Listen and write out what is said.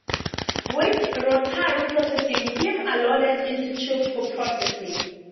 With rotary processing, films are loaded into tubes for processing.